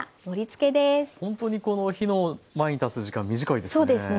ほんとに火の前に立つ時間短いですね。